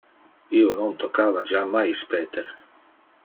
Io non toccava jammais Peter.